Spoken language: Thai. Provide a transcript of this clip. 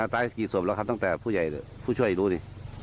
ตายกี่สบหรือครับตั้งแต่ผู้ช่วยดูดิ